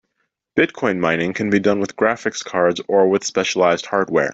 Bitcoin mining can be done with graphic cards or with specialized hardware.